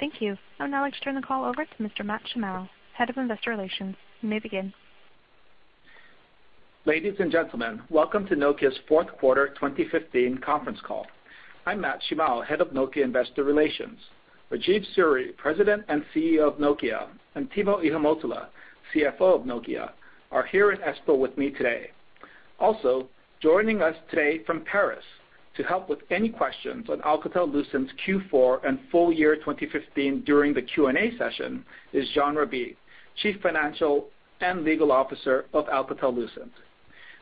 Thank you. I would now like to turn the call over to Mr. Matt Shimao, Head of Investor Relations. You may begin. Ladies and gentlemen, welcome to Nokia's fourth quarter 2015 conference call. I'm Matt Shimao, Head of Nokia Investor Relations. Rajeev Suri, President and CEO of Nokia, and Timo Ihamuotila, CFO of Nokia, are here in Espoo with me today. Also, joining us today from Paris to help with any questions on Alcatel-Lucent's Q4 and full year 2015 during the Q&A session is Jean Raby, Chief Financial and Legal Officer of Alcatel-Lucent.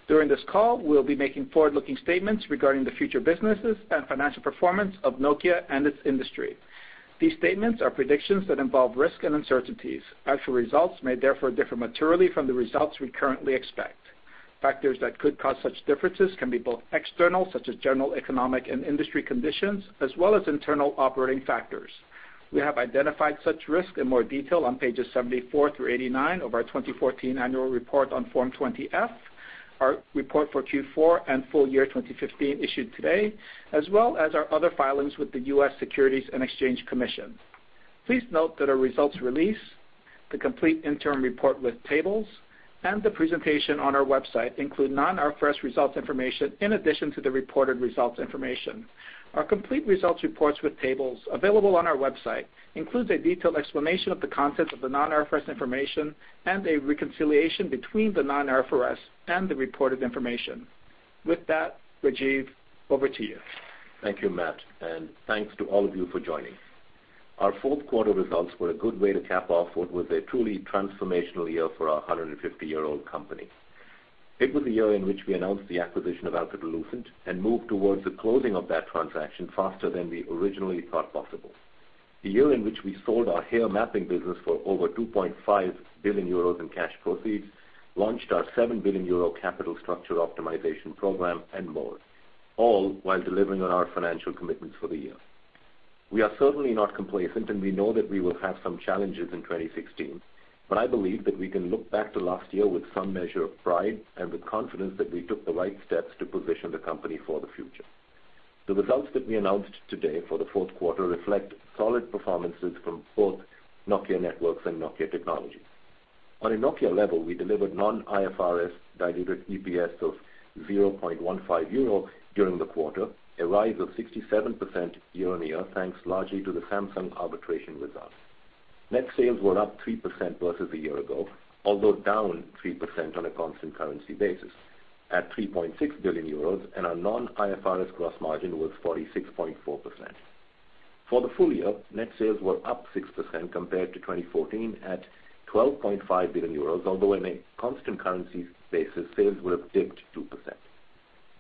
During this call, we'll be making forward-looking statements regarding the future businesses and financial performance of Nokia and its industry. These statements are predictions that involve risks and uncertainties. Actual results may therefore differ materially from the results we currently expect. Factors that could cause such differences can be both external, such as general economic and industry conditions, as well as internal operating factors. We have identified such risks in more detail on pages 74 through 89 of our 2014 annual report on Form 20-F, our report for Q4 and full year 2015 issued today, as well as our other filings with the U.S. Securities and Exchange Commission. Please note that our results release, the complete interim report with tables, and the presentation on our website include non-IFRS results information in addition to the reported results information. Our complete results reports with tables available on our website includes a detailed explanation of the contents of the non-IFRS information and a reconciliation between the non-IFRS and the reported information. With that, Rajeev, over to you. Thank you, Matt, and thanks to all of you for joining. Our fourth quarter results were a good way to cap off what was a truly transformational year for our 150-year-old company. It was a year in which we announced the acquisition of Alcatel-Lucent and moved towards the closing of that transaction faster than we originally thought possible. The year in which we sold our HERE mapping business for over 2.5 billion euros in cash proceeds, launched our 7 billion euro capital structure optimization program, and more, all while delivering on our financial commitments for the year. We are certainly not complacent, and we know that we will have some challenges in 2016, but I believe that we can look back to last year with some measure of pride and with confidence that we took the right steps to position the company for the future. The results that we announced today for the fourth quarter reflect solid performances from both Nokia Networks and Nokia Technologies. On a Nokia level, we delivered non-IFRS diluted EPS of 0.15 euro during the quarter, a rise of 67% year-on-year, thanks largely to the Samsung arbitration result. Net sales were up 3% versus a year ago, although down 3% on a constant currency basis, at 3.6 billion euros, and our non-IFRS gross margin was 46.4%. For the full year, net sales were up 6% compared to 2014 at 12.5 billion euros, although on a constant currency basis, sales would have ticked 2%.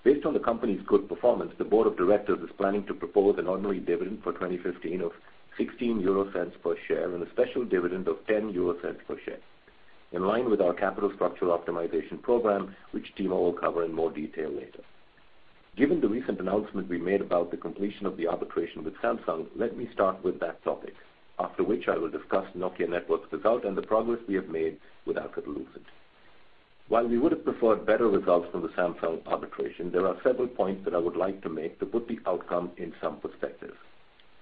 Based on the company's good performance, the board of directors is planning to propose an ordinary dividend for 2015 of 0.16 per share and a special dividend of 0.10 per share. In line with our capital structure optimization program, which Timo will cover in more detail later. Given the recent announcement we made about the completion of the arbitration with Samsung, let me start with that topic. After which I will discuss Nokia Networks' results and the progress we have made with Alcatel-Lucent. While we would have preferred better results from the Samsung arbitration, there are several points that I would like to make to put the outcome in some perspective.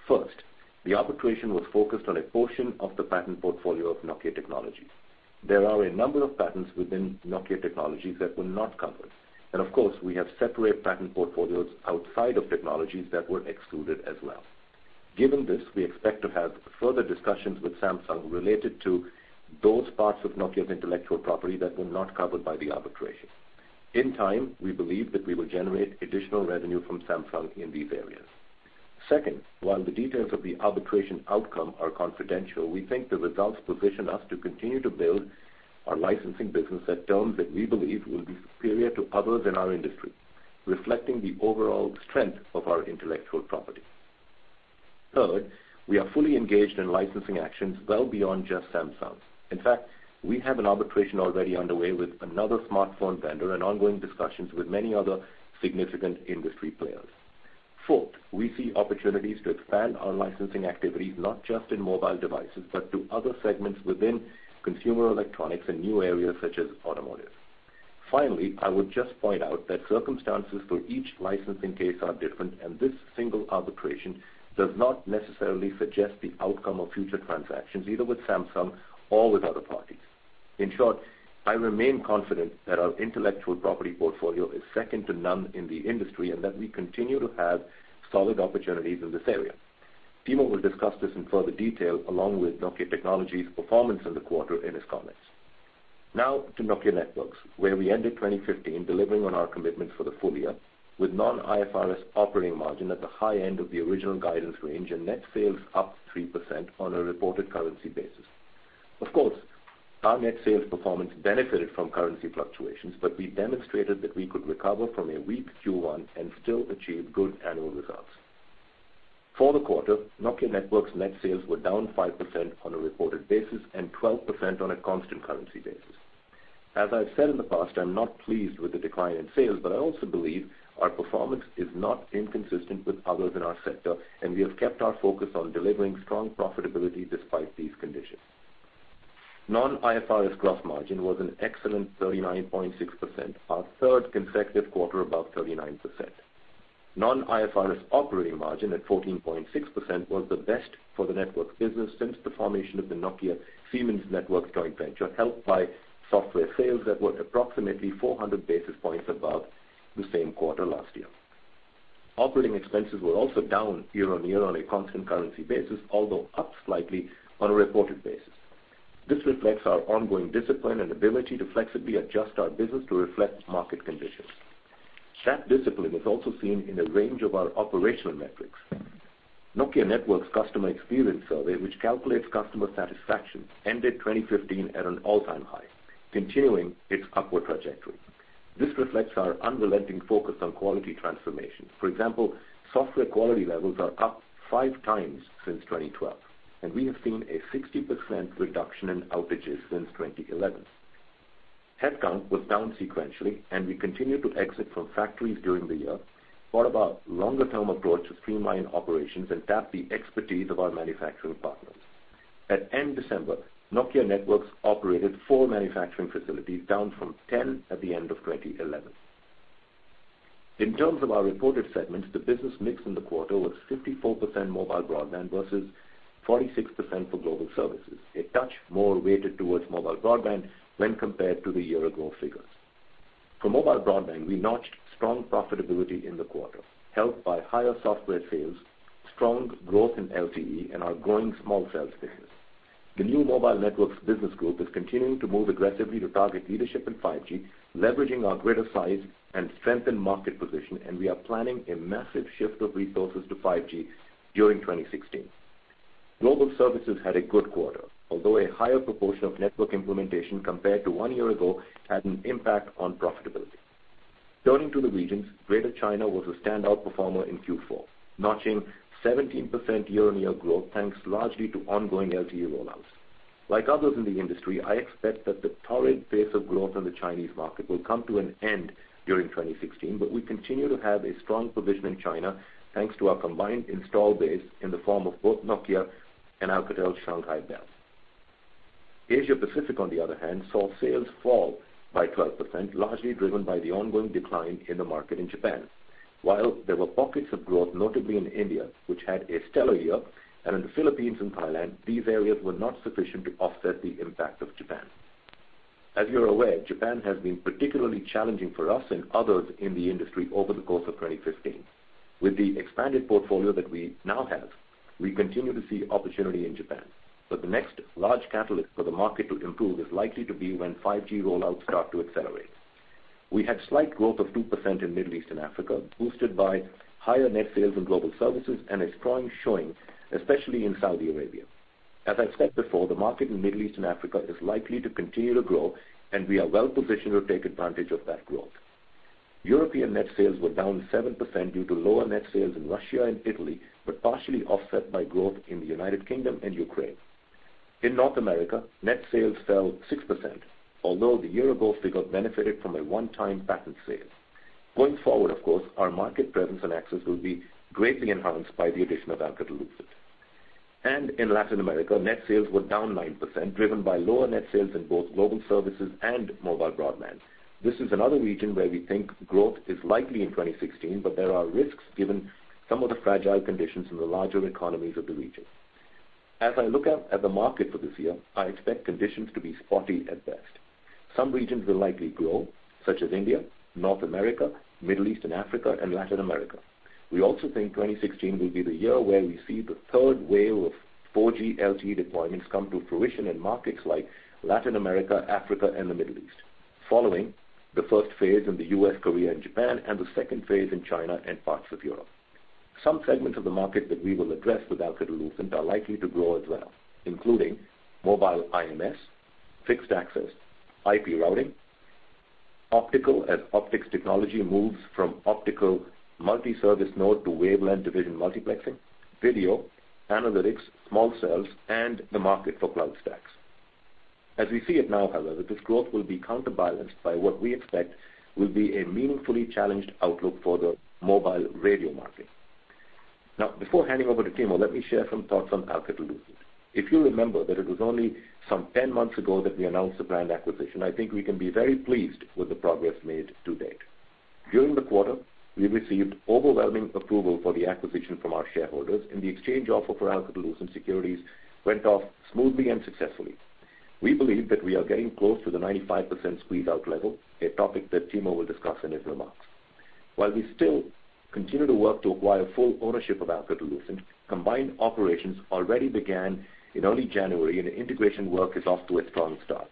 First, the arbitration was focused on a portion of the patent portfolio of Nokia Technologies. There are a number of patents within Nokia Technologies that were not covered, and of course, we have separate patent portfolios outside of technologies that were excluded as well. Given this, we expect to have further discussions with Samsung related to those parts of Nokia's intellectual property that were not covered by the arbitration. In time, we believe that we will generate additional revenue from Samsung in these areas. Second, while the details of the arbitration outcome are confidential, we think the results position us to continue to build our licensing business at terms that we believe will be superior to others in our industry, reflecting the overall strength of our intellectual property. Third, we are fully engaged in licensing actions well beyond just Samsung. In fact, we have an arbitration already underway with another smartphone vendor and ongoing discussions with many other significant industry players. Fourth, we see opportunities to expand our licensing activities not just in mobile devices, but to other segments within consumer electronics and new areas such as automotive. Finally, I would just point out that circumstances for each licensing case are different, and this single arbitration does not necessarily suggest the outcome of future transactions, either with Samsung or with other parties. In short, I remain confident that our intellectual property portfolio is second to none in the industry and that we continue to have solid opportunities in this area. Timo will discuss this in further detail, along with Nokia Technologies' performance in the quarter in his comments. Now to Nokia Networks, where we ended 2015 delivering on our commitment for the full year with non-IFRS operating margin at the high end of the original guidance range and net sales up 3% on a reported currency basis. Of course, our net sales performance benefited from currency fluctuations, but we demonstrated that we could recover from a weak Q1 and still achieve good annual results. For the quarter, Nokia Networks' net sales were down 5% on a reported basis and 12% on a constant currency basis. As I've said in the past, I'm not pleased with the decline in sales, but I also believe our performance is not inconsistent with others in our sector. We have kept our focus on delivering strong profitability despite these conditions. Non-IFRS gross margin was an excellent 39.6%, our third consecutive quarter above 39%. Non-IFRS operating margin at 14.6% was the best for the Networks business since the formation of the Nokia Siemens Networks joint venture, helped by software sales that were approximately 400 basis points above the same quarter last year. Operating expenses were also down year-on-year on a constant currency basis, although up slightly on a reported basis. This reflects our ongoing discipline and ability to flexibly adjust our business to reflect market conditions. That discipline is also seen in a range of our operational metrics. Nokia Networks customer experience survey, which calculates customer satisfaction, ended 2015 at an all-time high, continuing its upward trajectory. This reflects our unrelenting focus on quality transformation. For example, software quality levels are up five times since 2012. We have seen a 60% reduction in outages since 2011. Headcount was down sequentially. We continued to exit from factories during the year. Part of our longer-term approach to streamline operations and tap the expertise of our manufacturing partners. At end December, Nokia Networks operated four manufacturing facilities, down from 10 at the end of 2011. In terms of our reported segments, the business mix in the quarter was 54% mobile broadband versus 46% for Global Services, a touch more weighted towards mobile broadband when compared to the year-ago figures. For mobile broadband, we notched strong profitability in the quarter, helped by higher software sales, strong growth in LTE, and our growing small cells business. The new Mobile Networks business group is continuing to move aggressively to target leadership in 5G, leveraging our greater size and strengthen market position. We are planning a massive shift of resources to 5G during 2016. Global Services had a good quarter, although a higher proportion of network implementation compared to one year ago had an impact on profitability. Turning to the regions, Greater China was a standout performer in Q4, notching 17% year-on-year growth, thanks largely to ongoing LTE rollouts. Like others in the industry, I expect that the torrid pace of growth in the Chinese market will come to an end during 2016. We continue to have a strong position in China, thanks to our combined install base in the form of both Nokia and Alcatel Shanghai Bell. Asia Pacific, on the other hand, saw sales fall by 12%, largely driven by the ongoing decline in the market in Japan. While there were pockets of growth, notably in India, which had a stellar year, and in the Philippines and Thailand, these areas were not sufficient to offset the impact of Japan. As you're aware, Japan has been particularly challenging for us and others in the industry over the course of 2015. With the expanded portfolio that we now have, we continue to see opportunity in Japan, the next large catalyst for the market to improve is likely to be when 5G rollouts start to accelerate. We had slight growth of 2% in Middle East and Africa, boosted by higher net sales in global services and a strong showing, especially in Saudi Arabia. As I've said before, the market in Middle East and Africa is likely to continue to grow, and we are well positioned to take advantage of that growth. European net sales were down 7% due to lower net sales in Russia and Italy, partially offset by growth in the United Kingdom and Ukraine. In North America, net sales fell 6%, although the year-ago figure benefited from a one-time patent sale. Going forward, of course, our market presence and access will be greatly enhanced by the addition of Alcatel-Lucent. In Latin America, net sales were down 9%, driven by lower net sales in both global services and mobile broadband. This is another region where we think growth is likely in 2016, but there are risks given some of the fragile conditions in the larger economies of the region. As I look out at the market for this year, I expect conditions to be spotty at best. Some regions will likely grow, such as India, North America, Middle East and Africa, and Latin America. We also think 2016 will be the year where we see the third wave of 4G LTE deployments come to fruition in markets like Latin America, Africa, and the Middle East. Following the first phase in the U.S., Korea, and Japan, and the second phase in China and parts of Europe. Some segments of the market that we will address with Alcatel-Lucent are likely to grow as well, including mobile IMS, fixed access, IP routing, optical as optics technology moves from Optical Multi-Service Node to Wavelength Division Multiplexing, video, analytics, small cells, and the market for cloud stacks. As we see it now, however, this growth will be counterbalanced by what we expect will be a meaningfully challenged outlook for the mobile radio market. Now, before handing over to Timo, let me share some thoughts on Alcatel-Lucent. If you remember that it was only some 10 months ago that we announced the planned acquisition, I think we can be very pleased with the progress made to date. During the quarter, we received overwhelming approval for the acquisition from our shareholders, the exchange offer for Alcatel-Lucent securities went off smoothly and successfully. We believe that we are getting close to the 95% squeeze-out level, a topic that Timo will discuss in his remarks. While we still continue to work to acquire full ownership of Alcatel-Lucent, combined operations already began in early January, and integration work is off to a strong start.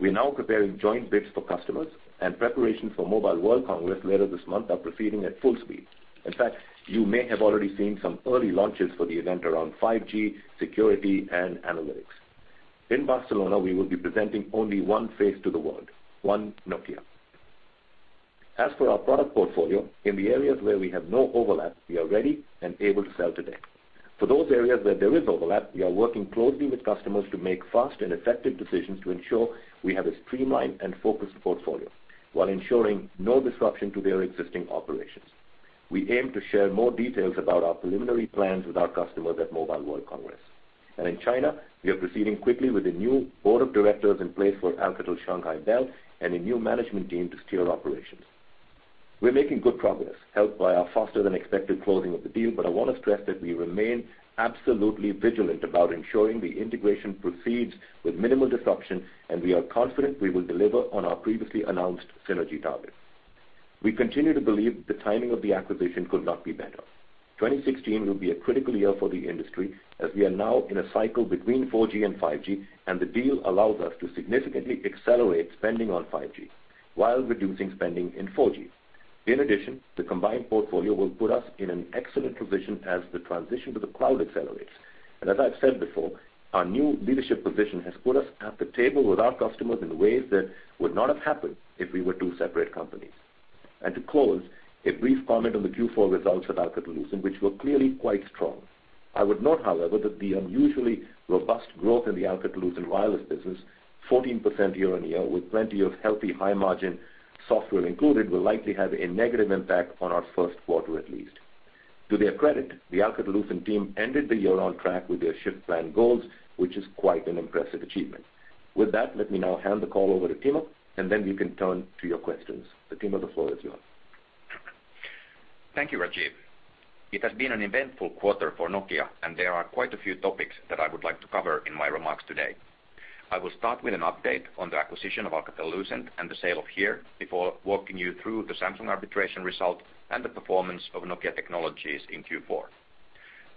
We are now preparing joint bids for customers, and preparations for Mobile World Congress later this month are proceeding at full speed. In fact, you may have already seen some early launches for the event around 5G, security, and analytics. In Barcelona, we will be presenting only one face to the world, one Nokia. As for our product portfolio, in the areas where we have no overlap, we are ready and able to sell today. For those areas where there is overlap, we are working closely with customers to make fast and effective decisions to ensure we have a streamlined and focused portfolio while ensuring no disruption to their existing operations. We aim to share more details about our preliminary plans with our customers at Mobile World Congress. In China, we are proceeding quickly with a new board of directors in place for Alcatel Shanghai Bell and a new management team to steer operations. We're making good progress helped by our faster than expected closing of the deal. I want to stress that we remain absolutely vigilant about ensuring the integration proceeds with minimal disruption. We are confident we will deliver on our previously announced synergy targets. We continue to believe the timing of the acquisition could not be better. 2016 will be a critical year for the industry as we are now in a cycle between 4G and 5G. The deal allows us to significantly accelerate spending on 5G while reducing spending in 4G. In addition, the combined portfolio will put us in an excellent position as the transition to the cloud accelerates. As I've said before, our new leadership position has put us at the table with our customers in ways that would not have happened if we were two separate companies. To close, a brief comment on the Q4 results at Alcatel-Lucent, which were clearly quite strong. I would note, however, that the unusually robust growth in the Alcatel-Lucent wireless business, 14% year-on-year with plenty of healthy high-margin software included will likely have a negative impact on our first quarter, at least. To their credit, the Alcatel-Lucent team ended the year on track with their Shift Plan goals, which is quite an impressive achievement. With that, let me now hand the call over to Timo. Then we can turn to your questions. Timo, the floor is yours. Thank you, Rajeev. It has been an eventful quarter for Nokia. There are quite a few topics that I would like to cover in my remarks today. I will start with an update on the acquisition of Alcatel-Lucent and the sale of HERE before walking you through the Samsung arbitration result and the performance of Nokia Technologies in Q4.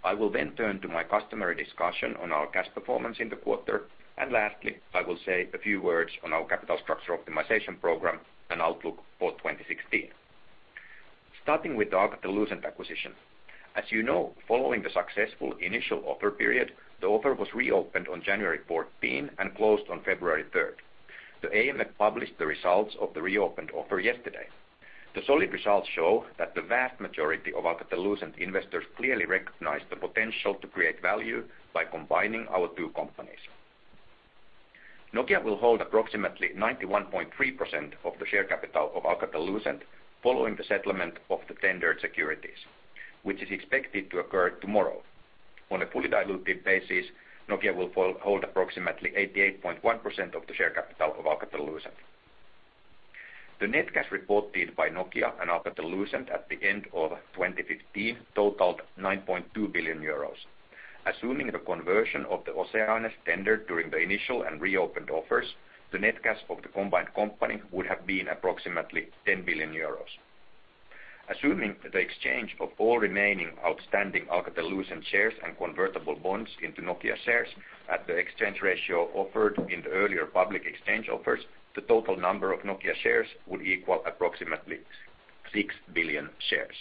I will then turn to my customary discussion on our cash performance in the quarter. Lastly, I will say a few words on our capital structure optimization program and outlook for 2016. Starting with the Alcatel-Lucent acquisition. As you know, following the successful initial offer period, the offer was reopened on January 14 and closed on February 3rd. The AMF published the results of the reopened offer yesterday. The solid results show that the vast majority of Alcatel-Lucent investors clearly recognize the potential to create value by combining our two companies. Nokia will hold approximately 91.3% of the share capital of Alcatel-Lucent following the settlement of the tendered securities, which is expected to occur tomorrow. On a fully diluted basis, Nokia will hold approximately 88.1% of the share capital of Alcatel-Lucent. The net cash reported by Nokia and Alcatel-Lucent at the end of 2015 totaled 9.2 billion euros. Assuming the conversion of the OCEANEs tendered during the initial and reopened offers, the net cash of the combined company would have been approximately 10 billion euros. Assuming the exchange of all remaining outstanding Alcatel-Lucent shares and convertible bonds into Nokia shares at the exchange ratio offered in the earlier public exchange offers, the total number of Nokia shares would equal approximately 6 billion shares.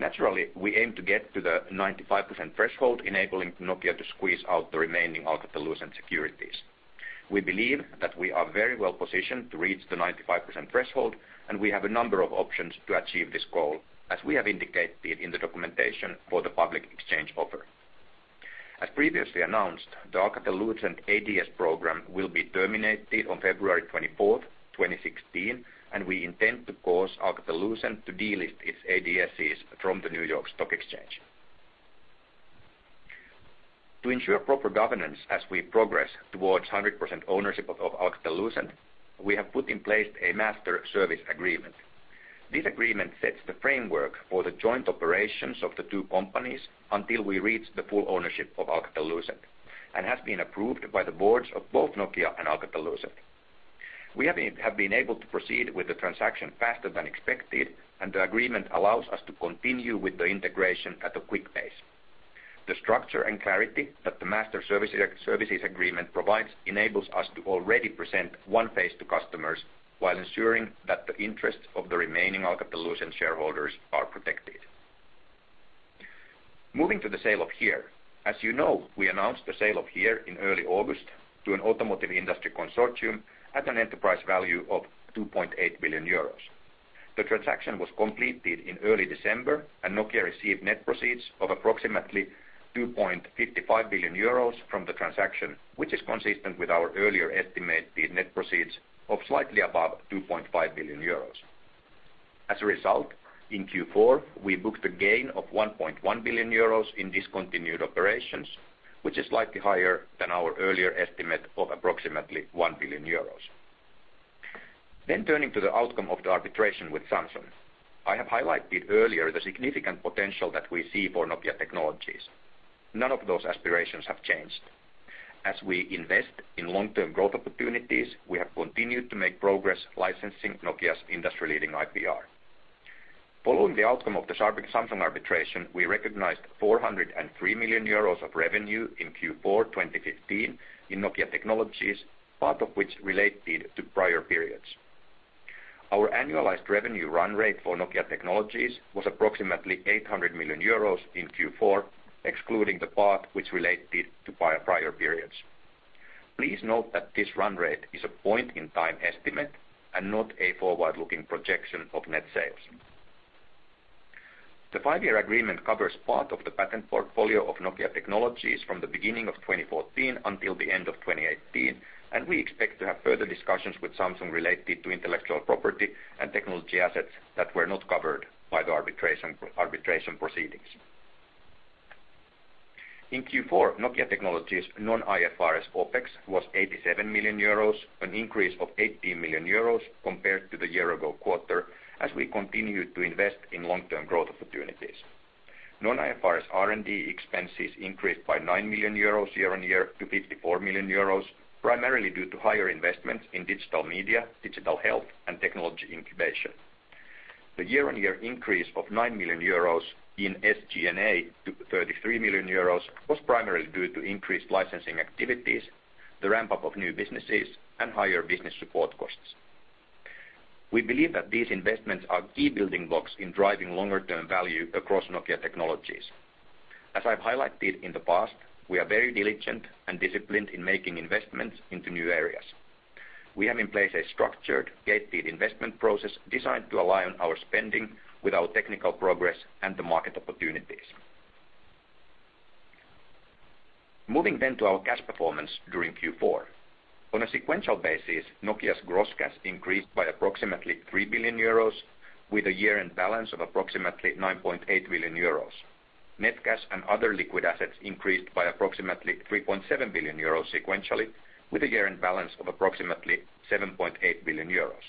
Naturally, we aim to get to the 95% threshold enabling Nokia to squeeze out the remaining Alcatel-Lucent securities. We believe that we are very well positioned to reach the 95% threshold. We have a number of options to achieve this goal, as we have indicated in the documentation for the public exchange offer. As previously announced, the Alcatel-Lucent ADS program will be terminated on February 24th, 2016. We intend to cause Alcatel-Lucent to delist its ADSs from the New York Stock Exchange. To ensure proper governance as we progress towards 100% ownership of Alcatel-Lucent, we have put in place a master service agreement. This agreement sets the framework for the joint operations of the two companies until we reach the full ownership of Alcatel-Lucent and has been approved by the boards of both Nokia and Alcatel-Lucent. We have been able to proceed with the transaction faster than expected. The agreement allows us to continue with the integration at a quick pace. The structure and clarity that the master services agreement provides enables us to already present one face to customers while ensuring that the interests of the remaining Alcatel-Lucent shareholders are protected. Moving to the sale of HERE. As you know, we announced the sale of HERE in early August to an automotive industry consortium at an enterprise value of 2.8 billion euros. The transaction was completed in early December. Nokia received net proceeds of approximately 2.55 billion euros from the transaction, which is consistent with our earlier estimated net proceeds of slightly above 2.5 billion euros. As a result, in Q4, we booked a gain of 1.1 billion euros in discontinued operations, which is slightly higher than our earlier estimate of approximately 1 billion euros. Turning to the outcome of the arbitration with Samsung. I have highlighted earlier the significant potential that we see for Nokia Technologies. None of those aspirations have changed. As we invest in long-term growth opportunities, we have continued to make progress licensing Nokia's industry-leading IPR. Following the outcome of the Samsung arbitration, we recognized 403 million euros of revenue in Q4 2015 in Nokia Technologies, part of which related to prior periods. Our annualized revenue run rate for Nokia Technologies was approximately 800 million euros in Q4, excluding the part which related to prior periods. Please note that this run rate is a point-in-time estimate and not a forward-looking projection of net sales. The five-year agreement covers part of the patent portfolio of Nokia Technologies from the beginning of 2014 until the end of 2018. We expect to have further discussions with Samsung related to intellectual property and technology assets that were not covered by the arbitration proceedings. In Q4, Nokia Technologies non-IFRS OpEx was 87 million euros, an increase of 18 million euros compared to the year-ago quarter, as we continued to invest in long-term growth opportunities. Non-IFRS R&D expenses increased by 9 million euros year-on-year to 54 million euros, primarily due to higher investments in digital media, digital health, and technology incubation. The year-on-year increase of 9 million euros in SG&A to 33 million euros was primarily due to increased licensing activities, the ramp-up of new businesses, and higher business support costs. We believe that these investments are key building blocks in driving longer-term value across Nokia Technologies. As I've highlighted in the past, we are very diligent and disciplined in making investments into new areas. We have in place a structured, gated investment process designed to align our spending with our technical progress and the market opportunities. Moving to our cash performance during Q4. On a sequential basis, Nokia's gross cash increased by approximately 3 billion euros with a year-end balance of approximately 9.8 billion euros. Net cash and other liquid assets increased by approximately 3.7 billion euros sequentially, with a year-end balance of approximately 7.8 billion euros.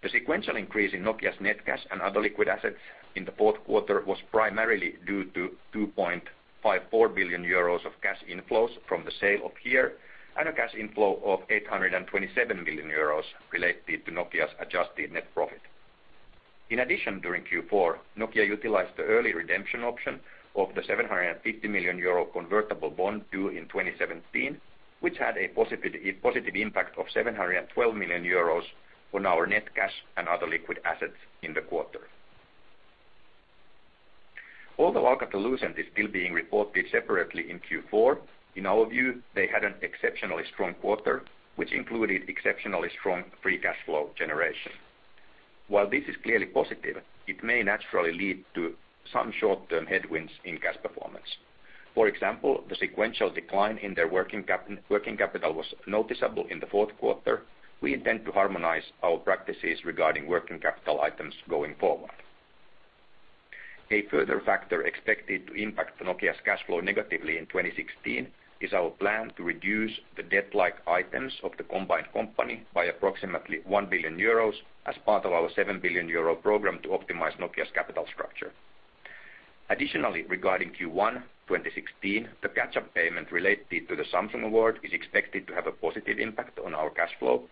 The sequential increase in Nokia's net cash and other liquid assets in the fourth quarter was primarily due to 2.54 billion euros of cash inflows from the sale of HERE and a cash inflow of 827 million euros related to Nokia's adjusted net profit. In addition, during Q4, Nokia utilized the early redemption option of the 750 million euro convertible bond due in 2017, which had a positive impact of 712 million euros on our net cash and other liquid assets in the quarter. Although Alcatel-Lucent is still being reported separately in Q4, in our view, they had an exceptionally strong quarter, which included exceptionally strong free cash flow generation. While this is clearly positive, it may naturally lead to some short-term headwinds in cash performance. For example, the sequential decline in their working capital was noticeable in the fourth quarter. We intend to harmonize our practices regarding working capital items going forward. A further factor expected to impact Nokia's cash flow negatively in 2016 is our plan to reduce the debt-like items of the combined company by approximately 1 billion euros as part of our 7 billion euro program to optimize Nokia's capital structure. Additionally, regarding Q1 2016, the catch-up payment related to the Samsung award is expected to have a positive impact on our cash flow.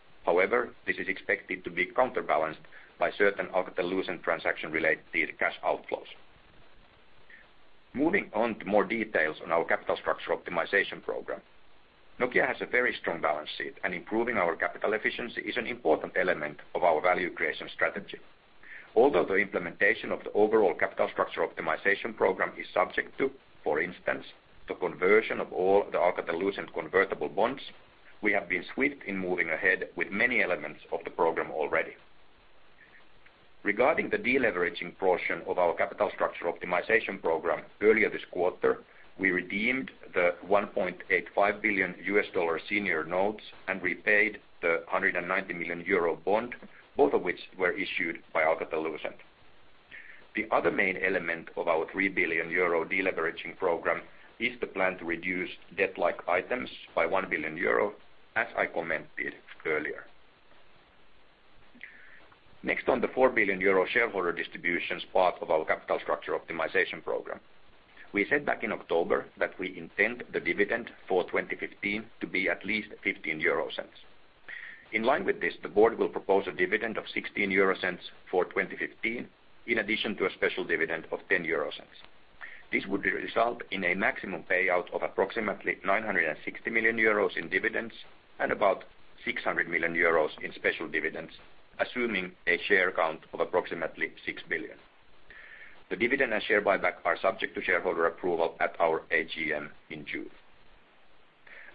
This is expected to be counterbalanced by certain Alcatel-Lucent transaction-related cash outflows. Moving on to more details on our capital structure optimization program. Nokia has a very strong balance sheet. Improving our capital efficiency is an important element of our value creation strategy. Although the implementation of the overall capital structure optimization program is subject to, for instance, the conversion of all the Alcatel-Lucent convertible bonds, we have been swift in moving ahead with many elements of the program already. Regarding the deleveraging portion of our Capital Structure Optimization Program, earlier this quarter, we redeemed the $1.85 billion senior notes and repaid the 190 million euro bond, both of which were issued by Alcatel-Lucent. The other main element of our 3 billion euro deleveraging program is the plan to reduce debt-like items by 1 billion euro, as I commented earlier. On the 4 billion euro shareholder distributions part of our Capital Structure Optimization Program. We said back in October that we intend the dividend for 2015 to be at least 0.15. In line with this, the board will propose a dividend of 0.16 for 2015, in addition to a special dividend of 0.10. This would result in a maximum payout of approximately 960 million euros in dividends and about 600 million euros in special dividends, assuming a share count of approximately 6 billion. The dividend and share buyback are subject to shareholder approval at our AGM in June.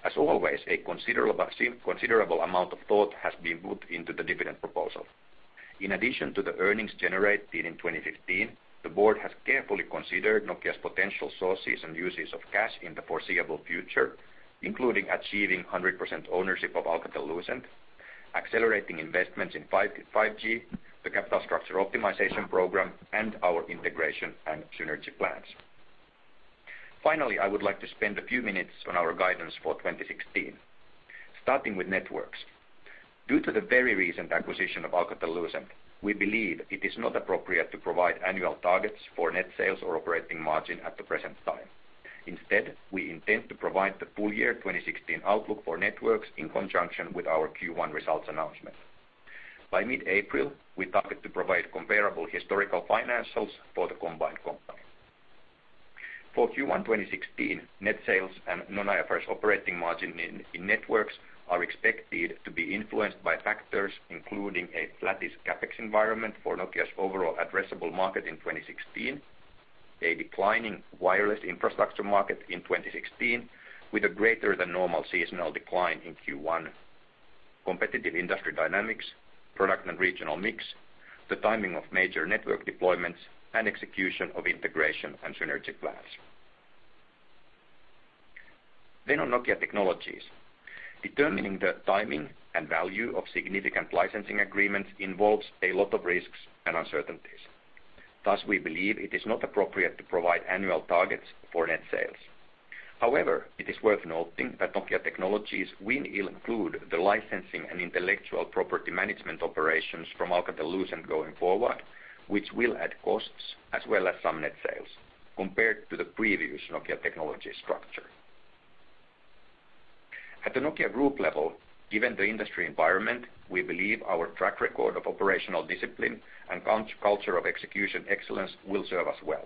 As always, a considerable amount of thought has been put into the dividend proposal. In addition to the earnings generated in 2015, the board has carefully considered Nokia's potential sources and uses of cash in the foreseeable future, including achieving 100% ownership of Alcatel-Lucent, accelerating investments in 5G, the Capital Structure Optimization Program, and our integration and synergy plans. I would like to spend a few minutes on our guidance for 2016. Starting with Networks. Due to the very recent acquisition of Alcatel-Lucent, we believe it is not appropriate to provide annual targets for net sales or operating margin at the present time. Instead, we intend to provide the full year 2016 outlook for Networks in conjunction with our Q1 results announcement. By mid-April, we target to provide comparable historical financials for the combined company. For Q1 2016, net sales and non-IFRS operating margin in Networks are expected to be influenced by factors including a flattish CapEx environment for Nokia's overall addressable market in 2016, a declining wireless infrastructure market in 2016 with a greater than normal seasonal decline in Q1. Competitive industry dynamics, product and regional mix, the timing of major network deployments, and execution of integration and synergy plans. On Nokia Technologies, determining the timing and value of significant licensing agreements involves a lot of risks and uncertainties. We believe it is not appropriate to provide annual targets for net sales. It is worth noting that Nokia Technologies will include the licensing and intellectual property management operations from Alcatel-Lucent going forward, which will add costs as well as some net sales compared to the previous Nokia Technologies structure. At the Nokia Group level, given the industry environment, we believe our track record of operational discipline and culture of execution excellence will serve us well.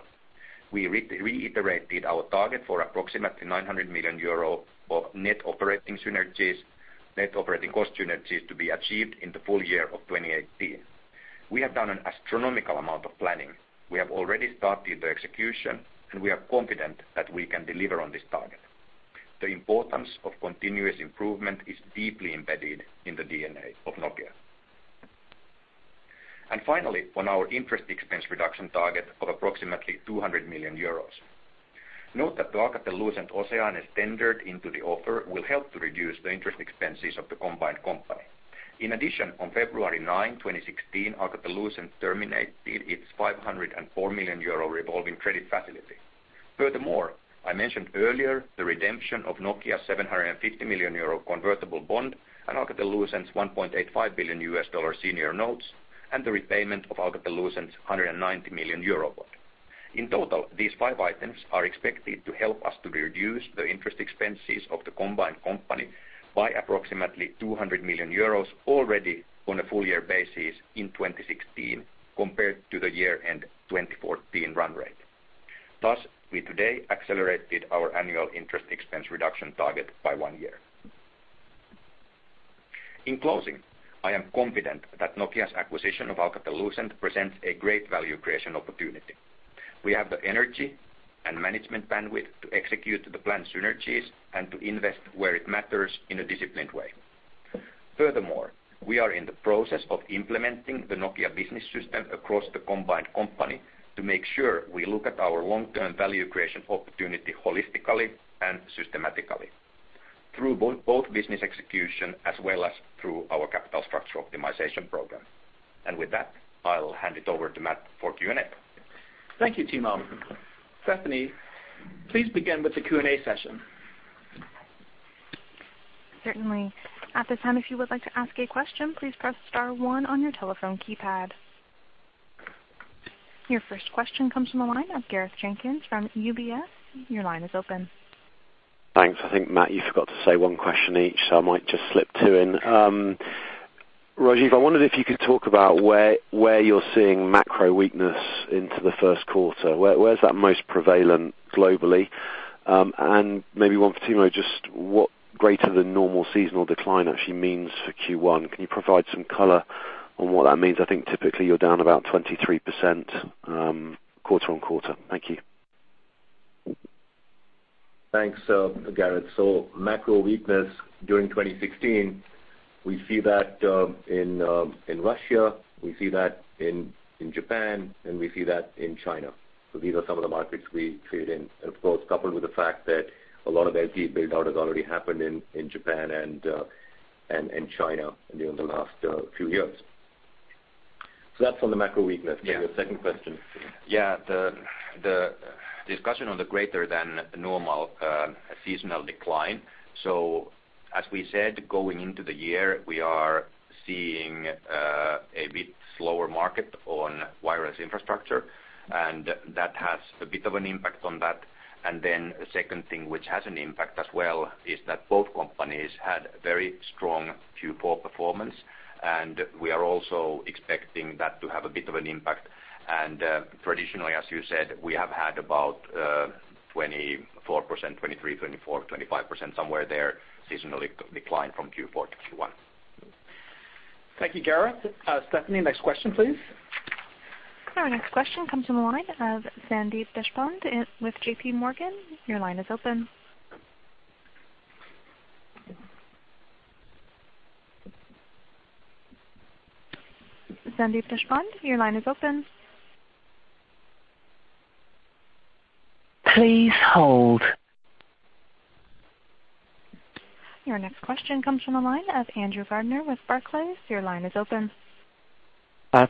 We reiterated our target for approximately 900 million euro of net operating cost synergies to be achieved in the full year of 2018. We have done an astronomical amount of planning. We have already started the execution, and we are confident that we can deliver on this target. The importance of continuous improvement is deeply embedded in the DNA of Nokia. On our interest expense reduction target of approximately 200 million euros. Note that the Alcatel-Lucent OCEANE tendered into the offer will help to reduce the interest expenses of the combined company. In addition, on February 9, 2016, Alcatel-Lucent terminated its 504 million euro revolving credit facility. Furthermore, I mentioned earlier the redemption of Nokia's 750 million euro convertible bond and Alcatel-Lucent's $1.85 billion U.S. senior notes, and the repayment of Alcatel-Lucent's 190 million euro bond. In total, these five items are expected to help us to reduce the interest expenses of the combined company by approximately 200 million euros already on a full year basis in 2016 compared to the year-end 2014 run rate. Thus, we today accelerated our annual interest expense reduction target by one year. In closing, I am confident that Nokia's acquisition of Alcatel-Lucent presents a great value creation opportunity. We have the energy and management bandwidth to execute the planned synergies and to invest where it matters in a disciplined way. Furthermore, we are in the process of implementing the Nokia business system across the combined company to make sure we look at our long-term value creation opportunity holistically and systematically through both business execution as well as through our capital structure optimization program. With that, I'll hand it over to Matt for Q&A. Thank you, Timo. Stephanie, please begin with the Q&A session. Certainly. At this time, if you would like to ask a question, please press star one on your telephone keypad. Your first question comes from the line of Gareth Jenkins from UBS. Your line is open. Thanks. I think, Matt, you forgot to say one question each, so I might just slip two in. Rajeev, I wondered if you could talk about where you're seeing macro weakness into the first quarter. Where's that most prevalent globally? Maybe one for Timo, just what greater than normal seasonal decline actually means for Q1. Can you provide some color on what that means? I think typically you're down about 23% quarter-on-quarter. Thank you. Thanks, Gareth. Macro weakness during 2016, we see that in Russia, we see that in Japan, and we see that in China. These are some of the markets we trade in. Of course, coupled with the fact that a lot of the build-out has already happened in Japan and China during the last few years. That's on the macro weakness. Yeah. Your second question. The discussion on the greater than normal seasonal decline. As we said, going into the year, we are seeing a bit slower market on wireless infrastructure, and that has a bit of an impact on that. The second thing which has an impact as well is that both companies had very strong Q4 performance, and we are also expecting that to have a bit of an impact. Traditionally, as you said, we have had about 23%, 24%, 25%, somewhere there, seasonally decline from Q4 to Q1. Thank you, Gareth. Stephanie, next question, please. Our next question comes from the line of Sandeep Deshpande with J.P. Morgan. Your line is open. Sandeep Deshpande, your line is open. Please hold. Your next question comes from the line of Andrew Gardiner with Barclays. Your line is open.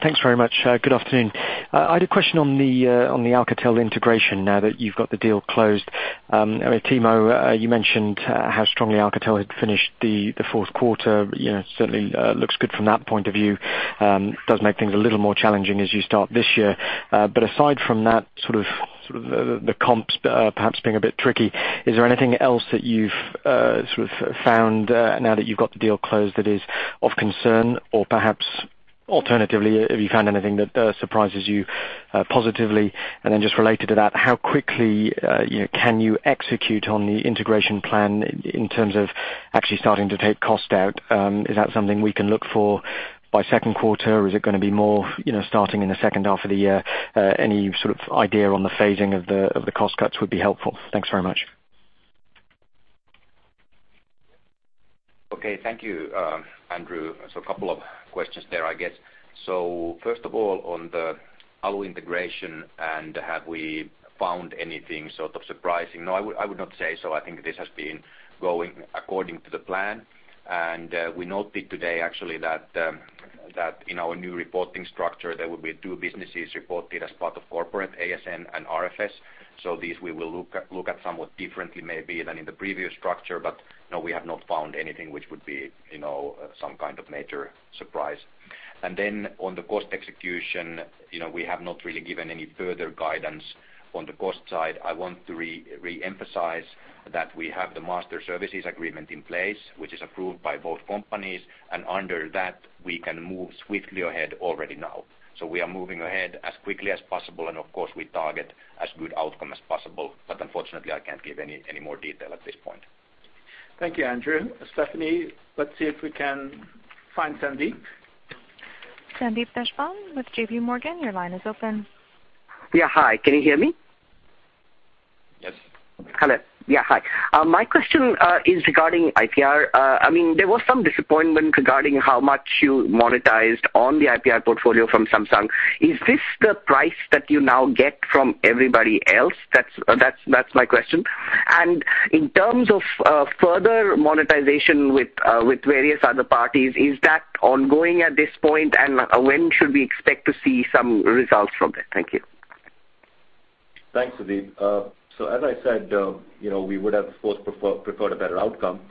Thanks very much. Good afternoon. I had a question on the Alcatel integration now that you've got the deal closed. Timo, you mentioned how strongly Alcatel had finished the fourth quarter. Certainly looks good from that point of view. Does make things a little more challenging as you start this year. Aside from that sort of the comps perhaps being a bit tricky, is there anything else that you've sort of found now that you've got the deal closed that is of concern? Or perhaps alternatively, have you found anything that surprises you positively? Just related to that, how quickly can you execute on the integration plan in terms of actually starting to take cost out? Is that something we can look for by second quarter? Is it going to be more starting in the second half of the year? Any sort of idea on the phasing of the cost cuts would be helpful. Thanks very much. Okay. Thank you, Andrew. A couple of questions there, I guess. First of all, on the Alcatel-Lucent integration and have we found anything sort of surprising? No, I would not say so. I think this has been going according to the plan. We noted today actually that in our new reporting structure, there will be two businesses reported as part of corporate ASN and RFS. These we will look at somewhat differently maybe than in the previous structure, no, we have not found anything which would be some kind of major surprise. On the cost execution, we have not really given any further guidance on the cost side. I want to reemphasize that we have the master services agreement in place, which is approved by both companies, and under that, we can move swiftly ahead already now. We are moving ahead as quickly as possible, and of course, we target as good outcome as possible. Unfortunately, I can't give any more detail at this point. Thank you, Andrew. Stephanie, let's see if we can find Sandeep. Sandeep Deshpande with J.P. Morgan, your line is open. Yeah. Hi, can you hear me? Yes. Hello. Yeah, hi. My question is regarding IPR. There was some disappointment regarding how much you monetized on the IPR portfolio from Samsung. Is this the price that you now get from everybody else? That's my question. In terms of further monetization with various other parties, is that ongoing at this point, and when should we expect to see some results from that? Thank you. Thanks, Sandeep. As I said, we would have, of course, preferred a better outcome.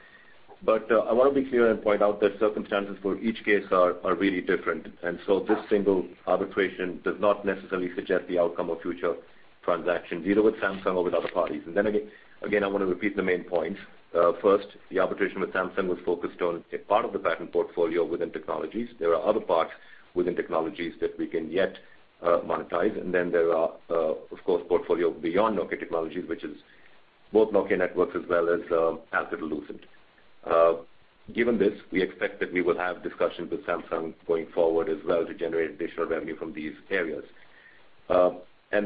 I want to be clear and point out that circumstances for each case are really different. This single arbitration does not necessarily suggest the outcome of future transaction, either with Samsung or with other parties. Then again, I want to repeat the main points. First, the arbitration with Samsung was focused on a part of the patent portfolio within Nokia Technologies. There are other parts within Nokia Technologies that we can yet monetize, and then there are, of course, portfolio beyond Nokia Technologies, which is both Nokia Networks as well as Alcatel-Lucent. Given this, we expect that we will have discussions with Samsung going forward as well to generate additional revenue from these areas.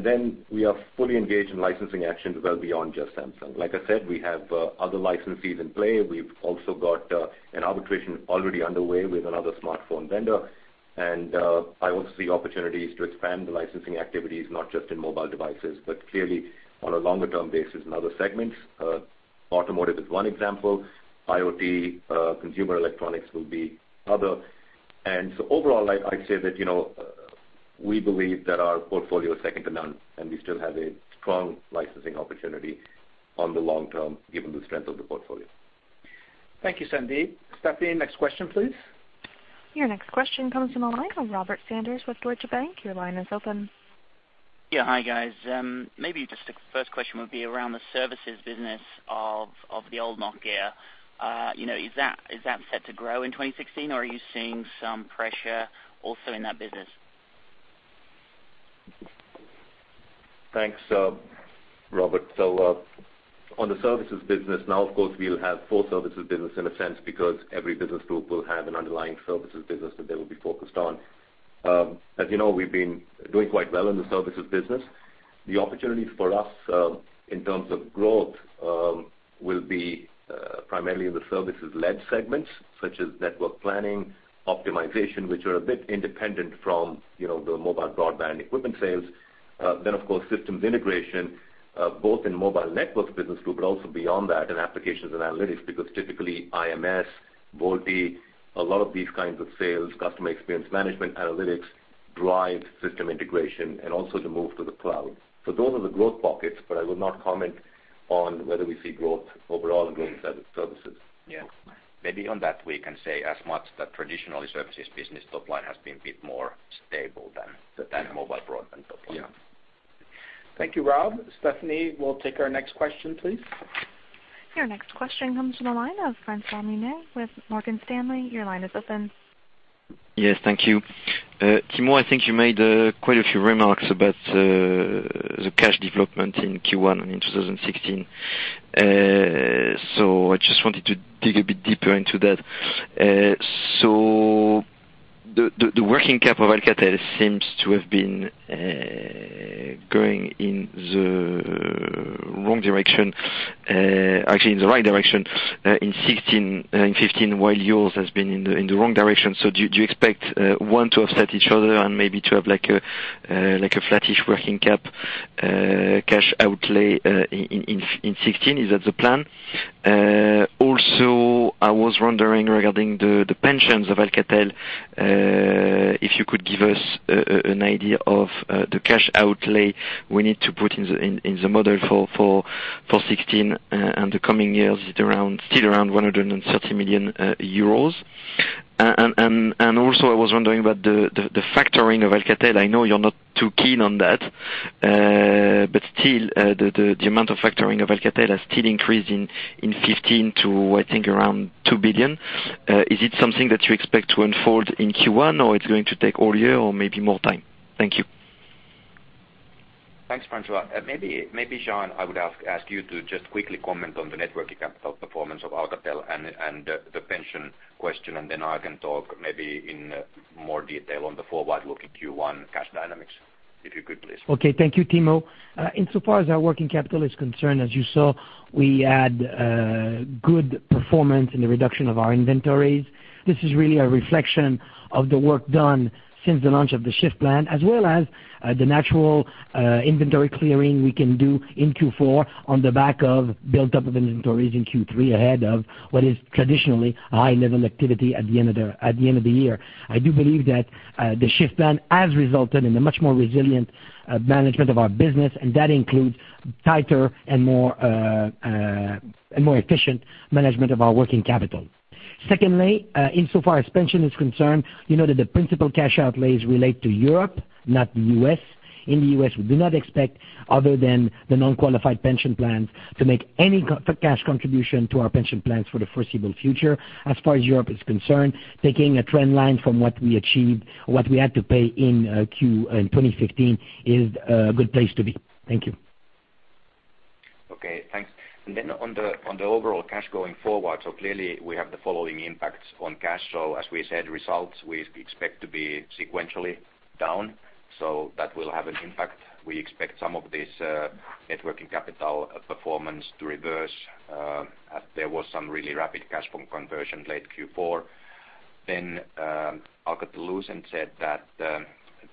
Then we are fully engaged in licensing actions well beyond just Samsung. Like I said, we have other licensees in play. We've also got an arbitration already underway with another smartphone vendor. I also see opportunities to expand the licensing activities, not just in mobile devices, but clearly on a longer term basis in other segments. Automotive is one example. IoT, consumer electronics will be other. Overall, I'd say that we believe that our portfolio is second to none, and we still have a strong licensing opportunity on the long term given the strength of the portfolio. Thank you, Sandeep. Stephanie, next question, please. Your next question comes from the line of Robert Sanders with Deutsche Bank. Your line is open. Yeah. Hi, guys. Maybe just the first question would be around the services business of the old Nokia. Is that set to grow in 2016 or are you seeing some pressure also in that business? Thanks, Robert. On the services business now, of course, we'll have full services business in a sense because every business group will have an underlying services business that they will be focused on. As you know, we've been doing quite well in the services business. The opportunities for us in terms of growth will be primarily in the services-led segments, such as network planning, optimization, which are a bit independent from the mobile broadband equipment sales. Of course, systems integration, both in mobile networks business group, but also beyond that in applications and analytics, because typically IMS, VoLTE, a lot of these kinds of sales, customer experience management analytics drive system integration and also the move to the cloud. Those are the growth pockets, but I will not comment on whether we see growth overall in services. Yeah. Maybe on that we can say as much that traditionally services business top line has been a bit more stable than mobile broadband top line. Yeah. Thank you, Rob. Stephanie, we'll take our next question, please. Your next question comes from the line of François Meunier with Morgan Stanley. Your line is open. Yes. Thank you. Timo, I think you made quite a few remarks about the cash development in Q1 in 2016. I just wanted to dig a bit deeper into that. The working capital Alcatel seems to have been going in the wrong direction, actually in the right direction in 2016 and 2015, while yours has been in the wrong direction. Do you expect one to offset each other and maybe to have a flattish working cap cash outlay in 2016? Is that the plan? I was wondering regarding the pensions of Alcatel, if you could give us an idea of the cash outlay we need to put in the model for 2016 and the coming years. Is it still around 130 million euros? I was wondering about the factoring of Alcatel. I know you're not too keen on that. The amount of factoring of Alcatel has still increased in 2015 to I think around 2 billion. Is it something that you expect to unfold in Q1, or it's going to take all year or maybe more time? Thank you. Thanks, François. Jean, I would ask you to just quickly comment on the networking capital performance of Alcatel and the pension question, and then I can talk maybe in more detail on the forward-looking Q1 cash dynamics. If you could, please. Okay. Thank you, Timo. Insofar as our working capital is concerned, as you saw, we had good performance in the reduction of our inventories. This is really a reflection of the work done since the launch of the Shift Plan, as well as the natural inventory clearing we can do in Q4 on the back of built up of inventories in Q3 ahead of what is traditionally high level activity at the end of the year. I do believe that the Shift Plan has resulted in a much more resilient management of our business, and that includes tighter and more efficient management of our working capital. Secondly, insofar as pension is concerned, you know that the principal cash outlays relate to Europe, not the U.S. In the U.S., we do not expect, other than the non-qualified pension plans, to make any cash contribution to our pension plans for the foreseeable future. As far as Europe is concerned, taking a trend line from what we achieved, what we had to pay in 2015 is a good place to be. Thank you. Okay, thanks. On the overall cash going forward. Clearly we have the following impacts on cash. As we said, results we expect to be sequentially down. That will have an impact. We expect some of this net working capital performance to reverse, as there was some really rapid cash from conversion late Q4. Alcatel-Lucent said that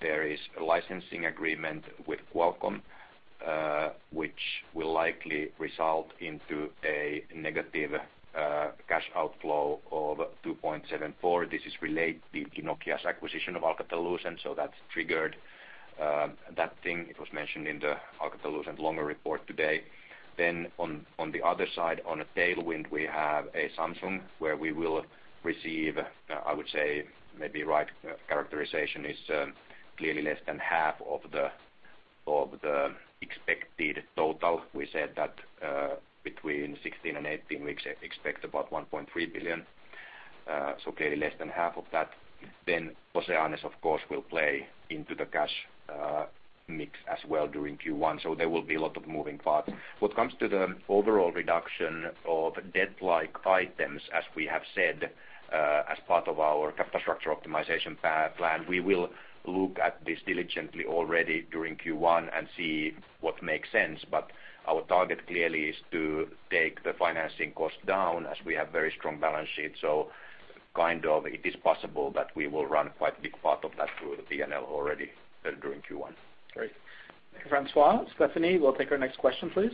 there is a licensing agreement with Qualcomm, which will likely result into a negative cash outflow of 2.74 billion. This is related to Nokia's acquisition of Alcatel-Lucent. That triggered that thing. It was mentioned in the Alcatel-Lucent longer report today. On the other side, on a tailwind, we have a Samsung where we will receive, I would say maybe right characterization is clearly less than half of the expected total. We said that between 16-18 weeks, expect about $1.3 billion. Clearly less than half of that. OCEANEs, of course, will play into the cash mix as well during Q1. There will be a lot of moving parts. What comes to the overall reduction of debt-like items, as we have said, as part of our capital structure optimization plan, we will look at this diligently already during Q1 and see what makes sense. Our target clearly is to take the financing cost down as we have very strong balance sheets. Kind of it is possible that we will run quite a big part of that through the P&L already during Q1. Great. Thank you, François. Stephanie, we'll take our next question, please.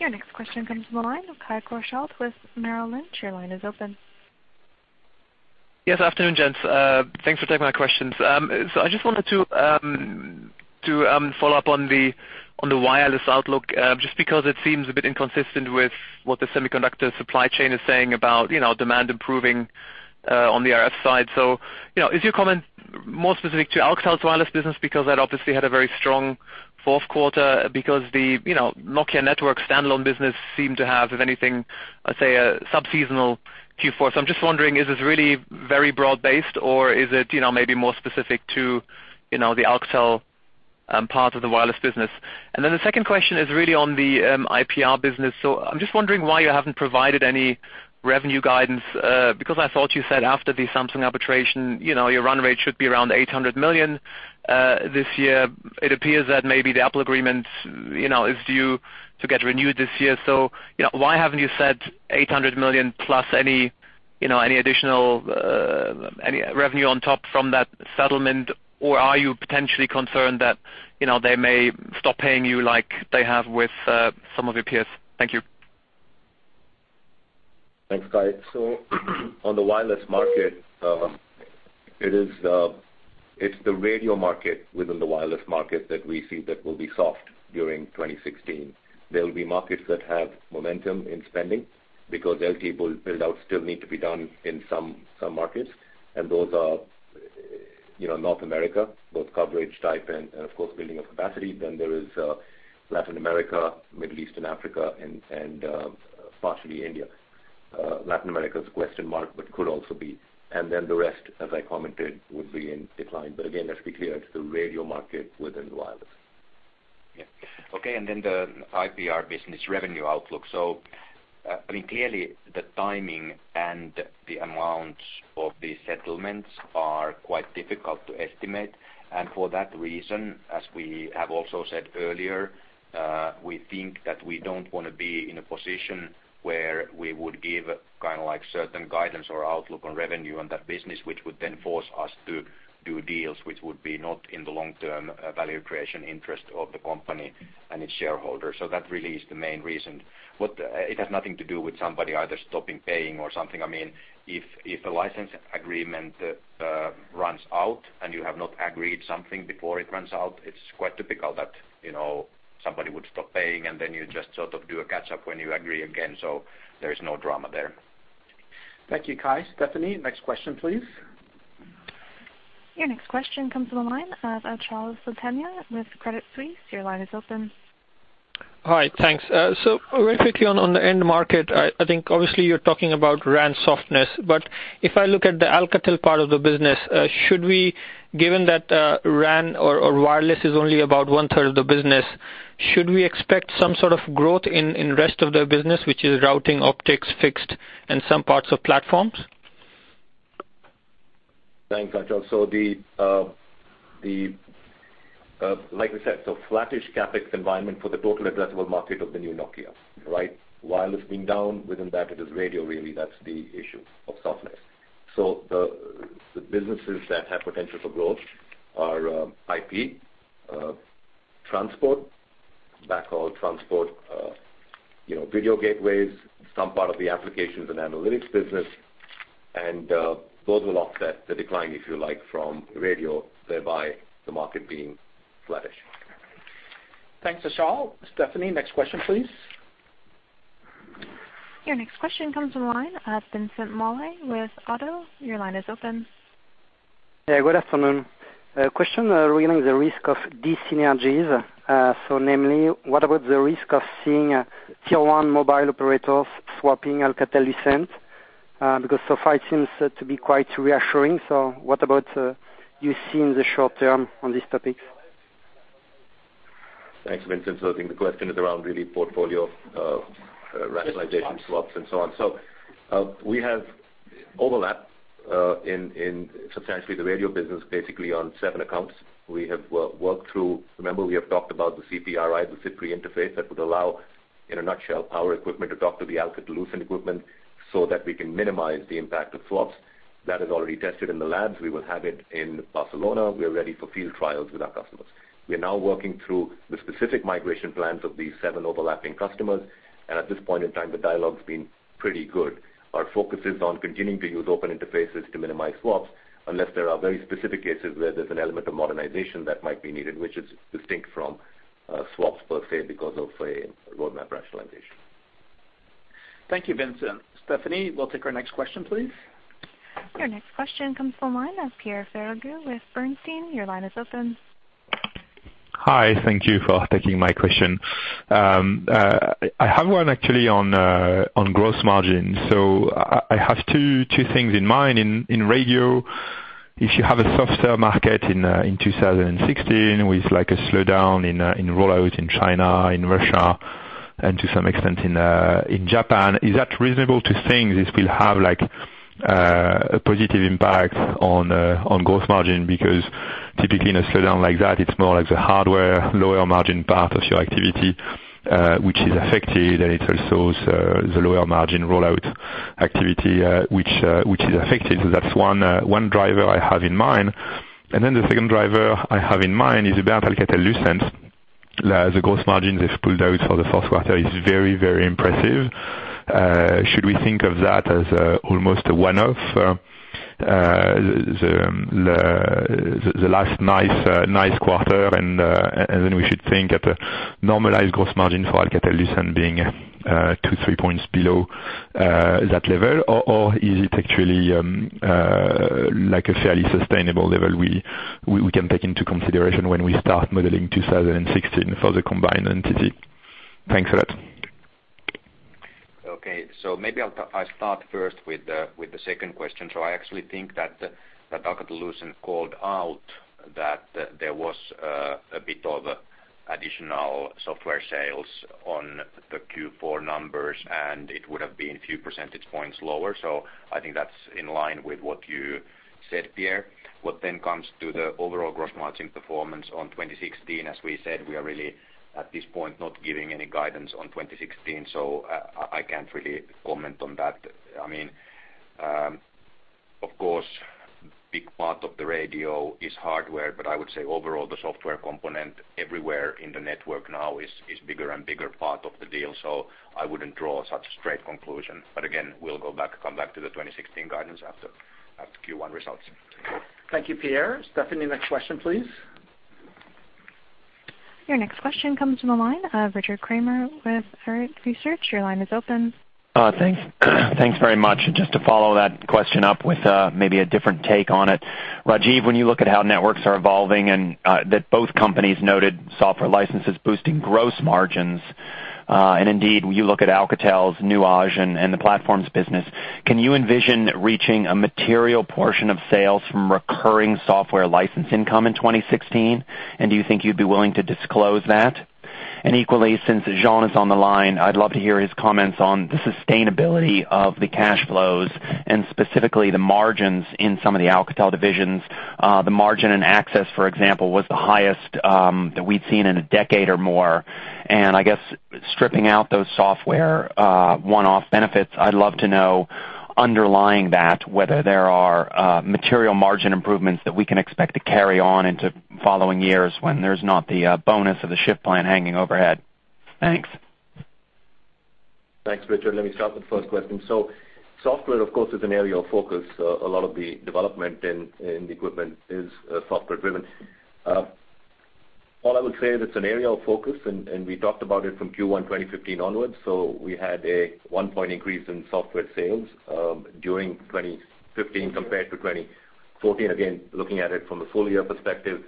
Your next question comes from the line of Kai Korschelt with Merrill Lynch. Your line is open. Yes, afternoon, gents. Thanks for taking my questions. I just wanted to follow up on the wireless outlook, just because it seems a bit inconsistent with what the semiconductor supply chain is saying about demand improving on the RF side. Is your comment more specific to Alcatel's wireless business because that obviously had a very strong fourth quarter? The Nokia Networks standalone business seemed to have, if anything, let's say a sub-seasonal Q4. I'm just wondering, is this really very broad based or is it maybe more specific to the Alcatel part of the wireless business? The second question is really on the IPR business. I'm just wondering why you haven't provided any revenue guidance, because I thought you said after the Samsung arbitration, your run rate should be around 800 million this year. It appears that maybe the Apple agreement is due to get renewed this year. Why haven't you said 800 million plus any additional revenue on top from that settlement? Are you potentially concerned that they may stop paying you like they have with some of your peers? Thank you. Thanks, Kai. On the wireless market, it's the radio market within the wireless market that we see that will be soft during 2016. There will be markets that have momentum in spending because LTE build out still need to be done in some markets. Those are North America, both coverage type and of course, building of capacity. There is Latin America, Middle East and Africa, and partially India. Latin America is a question mark, but could also be. The rest, as I commented, would be in decline. Again, let's be clear, it's the radio market within wireless. Yeah. Okay, the IPR business revenue outlook. Clearly, the timing and the amounts of these settlements are quite difficult to estimate. For that reason, as we have also said earlier, we think that we don't want to be in a position where we would give certain guidance or outlook on revenue on that business, which would then force us to do deals which would be not in the long-term value creation interest of the company and its shareholders. That really is the main reason. It has nothing to do with somebody either stopping paying or something. If a license agreement runs out and you have not agreed something before it runs out, it's quite typical that somebody would stop paying and then you just sort of do a catch-up when you agree again. There is no drama there. Thank you, Kai. Stephanie, next question, please. Your next question comes from the line of Achal Sultania with Credit Suisse. Your line is open. Hi, thanks. Very quickly on the end market, I think obviously you're talking about RAN softness, but if I look at the Alcatel part of the business, given that RAN or wireless is only about one-third of the business, should we expect some sort of growth in rest of the business, which is routing, optics, fixed, and some parts of platforms? Thanks, Achal. Like we said, flattish CapEx environment for the total addressable market of the new Nokia, right? Wireless being down, within that it is radio, really, that is the issue of softness. The businesses that have potential for growth are IP transport, backhaul transport, video gateways, some part of the applications and analytics business, and those will offset the decline, if you like, from radio, thereby the market being flattish. Thanks, Achal. Stephanie, next question, please. Your next question comes on the line, Vincent Molay with Oddo. Your line is open. Yeah, good afternoon. A question regarding the risk of de-synergies. Namely, what about the risk of seeing tier 1 mobile operators swapping Alcatel-Lucent? Because so far it seems to be quite reassuring. What about you see in the short term on this topic? Thanks, Vincent. I think the question is around really portfolio rationalization swaps and so on. We have overlap in substantially the radio business, basically on seven accounts. We have worked through, remember we have talked about the CPRI interface that would allow, in a nutshell, our equipment to talk to the Alcatel-Lucent equipment so that we can minimize the impact of swaps. That is already tested in the labs. We will have it in Barcelona. We are ready for field trials with our customers. We are now working through the specific migration plans of these seven overlapping customers. At this point in time, the dialogue's been pretty good. Our focus is on continuing to use open interfaces to minimize swaps unless there are very specific cases where there's an element of modernization that might be needed, which is distinct from swaps per se because of a roadmap rationalization. Thank you, Vincent. Stephanie, we'll take our next question, please. Your next question comes from the line of Pierre Ferragu with Bernstein. Your line is open. Hi, thank you for taking my question. I have one actually on gross margin. I have two things in mind. In radio, if you have a softer market in 2016 with a slowdown in rollout in China, in Russia, and to some extent in Japan, is that reasonable to think this will have a positive impact on gross margin? Because typically in a slowdown like that, it's more like the hardware, lower margin part of your activity, which is affected, and it also is the lower margin rollout activity, which is affected. That's one driver I have in mind. The second driver I have in mind is about Alcatel-Lucent. The gross margin they've pulled out for the fourth quarter is very, very impressive. Should we think of that as almost a one-off, the last nice quarter, and then we should think at a normalized gross margin for Alcatel-Lucent being two, three points below that level? Is it actually like a fairly sustainable level we can take into consideration when we start modeling 2016 for the combined entity? Thanks a lot. Maybe I'll start first with the second question. I actually think that Alcatel-Lucent called out that there was a bit of additional software sales on the Q4 numbers, and it would have been a few percentage points lower. I think that's in line with what you said, Pierre. What then comes to the overall gross margin performance on 2016, as we said, we are really, at this point, not giving any guidance on 2016, so I can't really comment on that. Of course, big part of the radio is hardware, but I would say overall, the software component everywhere in the network now is bigger and bigger part of the deal. I wouldn't draw such a straight conclusion. Again, we'll come back to the 2016 guidance after Q1 results. Thank you, Pierre. Stephanie, next question, please. Your next question comes from the line of Richard Kramer with Arete Research. Your line is open. Thanks very much. Just to follow that question up with maybe a different take on it. Rajeev, when you look at how networks are evolving and that both companies noted software licenses boosting gross margins, indeed, when you look at Alcatel's Nuage and the platforms business, can you envision reaching a material portion of sales from recurring software license income in 2016? Do you think you'd be willing to disclose that? Equally, since Jean is on the line, I'd love to hear his comments on the sustainability of the cash flows and specifically the margins in some of the Alcatel divisions. The margin in Access, for example, was the highest that we'd seen in a decade or more. I guess stripping out those software one-off benefits, I'd love to know underlying that, whether there are material margin improvements that we can expect to carry on into following years when there's not the bonus of the Shift Plan hanging overhead. Thanks. Thanks, Richard. Let me start with the first question. Software, of course, is an area of focus. A lot of the development in the equipment is software driven. All I would say is it's an area of focus, we talked about it from Q1 2015 onwards. We had a one-point increase in software sales during 2015 compared to 2014 again, looking at it from a full year perspective,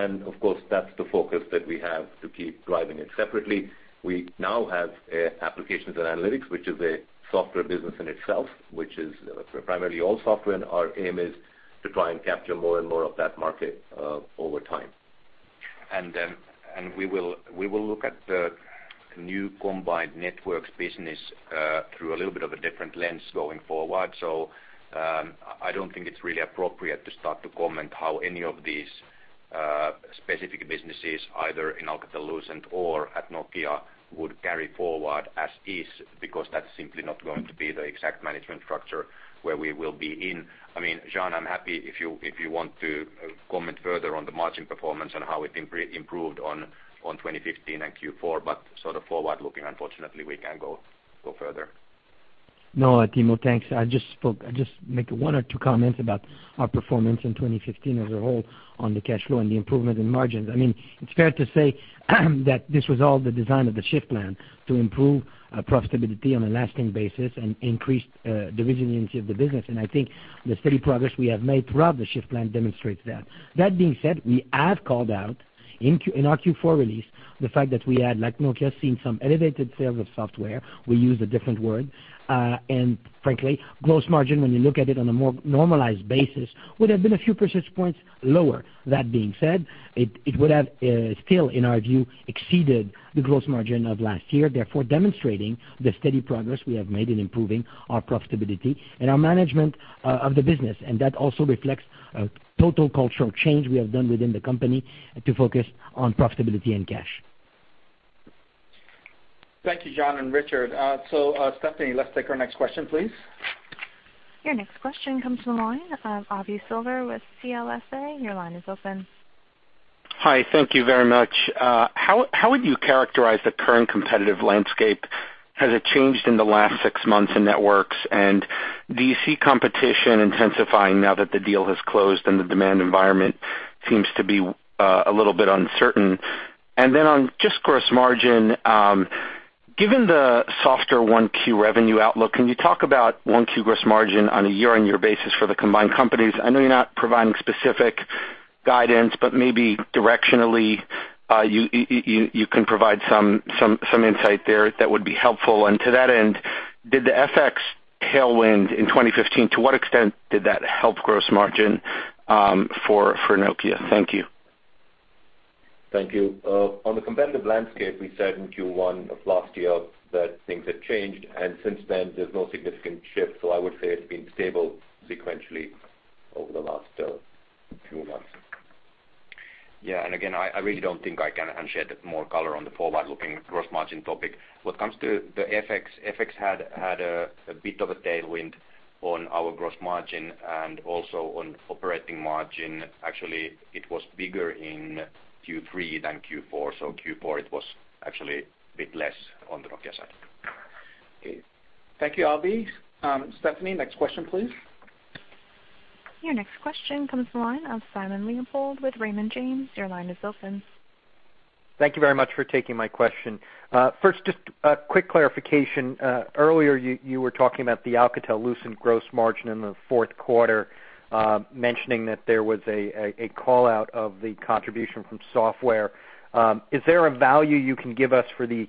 of course that's the focus that we have to keep driving it separately. We now have applications and analytics, which is a software business in itself, which is primarily all software, our aim is to try and capture more and more of that market over time. We will look at the new combined networks business through a little bit of a different lens going forward. I don't think it's really appropriate to start to comment how any of these specific businesses, either in Alcatel-Lucent or at Nokia, would carry forward as is, because that's simply not going to be the exact management structure where we will be in. Jean, I'm happy if you want to comment further on the margin performance and how it improved on 2015 and Q4, sort of forward looking, unfortunately, we can't go further. No, Timo, thanks. I just make one or two comments about our performance in 2015 as a whole on the cash flow and the improvement in margins. It's fair to say that this was all the design of the Shift Plan to improve profitability on a lasting basis and increase the resiliency of the business, and I think the steady progress we have made throughout the Shift Plan demonstrates that. That being said, we have called out in our Q4 release the fact that we had, like Nokia, seen some elevated sales of software. We use a different word. Frankly, gross margin, when you look at it on a more normalized basis, would have been a few percentage points lower. That being said, it would have still, in our view, exceeded the gross margin of last year, therefore demonstrating the steady progress we have made in improving our profitability and our management of the business. That also reflects a total cultural change we have done within the company to focus on profitability and cash. Thank you, Jean and Richard. Stephanie, let's take our next question, please. Your next question comes from the line of Avi Silver with CLSA. Your line is open. Hi. Thank you very much. How would you characterize the current competitive landscape? Has it changed in the last six months in networks? Do you see competition intensifying now that the deal has closed and the demand environment seems to be a little bit uncertain? On just gross margin, given the softer 1Q revenue outlook, can you talk about 1Q gross margin on a year-on-year basis for the combined companies? I know you're not providing specific guidance, but maybe directionally, you can provide some insight there that would be helpful. To that end, did the FX tailwind in 2015, to what extent did that help gross margin for Nokia? Thank you. Thank you. On the competitive landscape, we said in Q1 of last year that things had changed, since then, there's no significant shift. I would say it's been stable sequentially over the last few months. Yeah. Again, I really don't think I can shed more color on the forward-looking gross margin topic. What comes to the FX had a bit of a tailwind on our gross margin and also on operating margin. Actually, it was bigger in Q3 than Q4. Q4 it was actually a bit less on the Nokia side. Okay. Thank you, Avi. Stephanie, next question, please. Your next question comes from the line of Simon Leopold with Raymond James. Your line is open. Thank you very much for taking my question. First, just a quick clarification. Earlier, you were talking about the Alcatel-Lucent gross margin in the fourth quarter, mentioning that there was a call-out of the contribution from software. Is there a value you can give us for the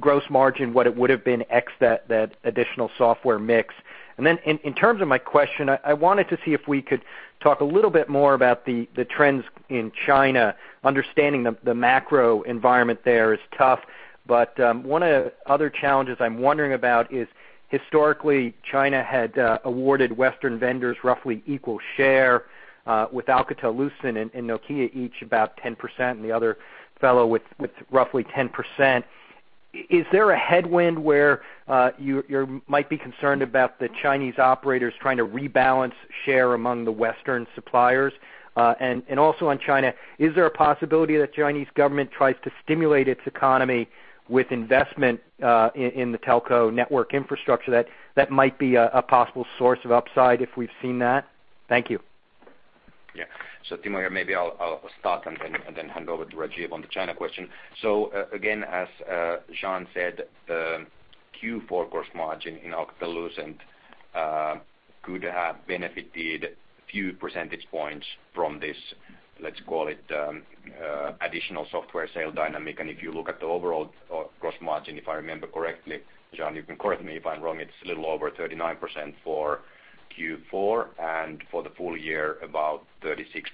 gross margin, what it would've been ex that additional software mix? Then in terms of my question, I wanted to see if we could talk a little bit more about the trends in China, understanding the macro environment there is tough. One other challenges I'm wondering about is historically China had awarded Western vendors roughly equal share, with Alcatel-Lucent and Nokia each about 10%, and the other fellow with roughly 10%. Is there a headwind where you might be concerned about the Chinese operators trying to rebalance share among the Western suppliers? Also on China, is there a possibility that Chinese government tries to stimulate its economy with investment in the telco network infrastructure, that might be a possible source of upside if we've seen that? Thank you. Yeah. Timo Ihamuotila here. Maybe I'll start and then hand over to Rajeev Suri on the China question. Again, as Jean Raby said, the Q4 gross margin in Alcatel-Lucent could have benefited a few percentage points from this, let's call it additional software sale dynamic. If you look at the overall gross margin, if I remember correctly, Jean Raby, you can correct me if I'm wrong, it's a little over 39% for Q4, and for the full year, about 36%.